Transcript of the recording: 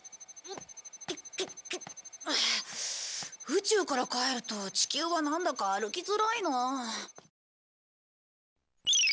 宇宙から帰ると地球はなんだか歩きづらいな。